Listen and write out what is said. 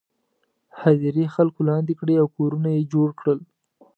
هدیرې خلکو لاندې کړي او کورونه یې جوړ کړي.